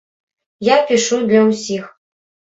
Я пішу для ўсіх.